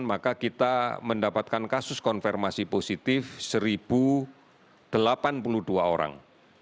maka kita mendapatkan kasus konfirmasi positif satu delapan puluh dua orang